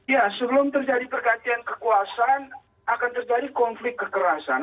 ya sebelum terjadi pergantian kekuasaan akan terjadi konflik kekerasan